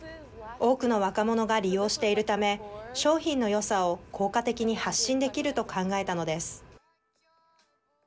多くの若者が利用しているため商品のよさを効果的に発信できると考えたのです。